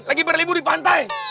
lagi berlibu di pantai